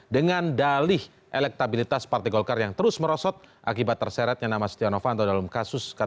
dengan dalih elektabilitas partai golkar yang terus merosot akibat terseretnya nama stiano fanto dalam kasus ktp